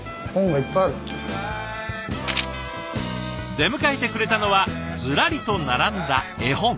出迎えてくれたのはずらりと並んだ絵本。